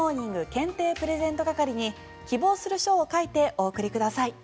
検定プレゼント係に希望する商品を書いてお送りください。